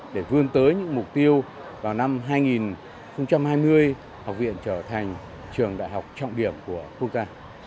để vươn tới những mục tiêu vào năm hai nghìn hai mươi học viện trở thành trường đại học trọng điểm của quốc gia